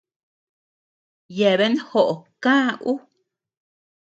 Yeabean joʼo kä ú.